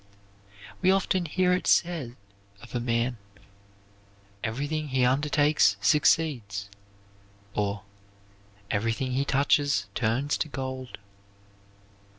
We often hear it said of a man, "Everything he undertakes succeeds," or "Everything he touches turns to gold."